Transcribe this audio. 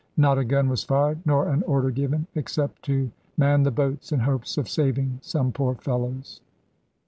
Not a gun was fired, nor an order given, except to man the boats in hopes of saving some poor fellows.